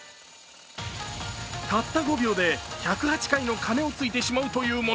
たった５秒で１０８回の鐘をついてしまうというもの。